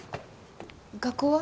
学校は？